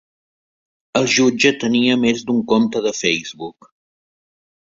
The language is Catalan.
El Jutge tenia més d'un compte de Facebook